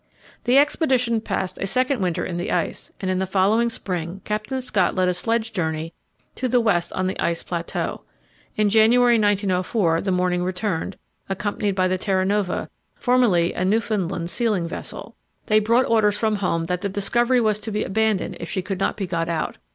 The expedition passed a second winter in the ice, and in the following spring Captain Scott led a sledge journey to the west on the ice plateau. In January, 1904, the Morning returned, accompanied by the Terra Nova, formerly a Newfoundland sealing vessel. They brought orders from home that the Discovery was to be abandoned if she could not be got out.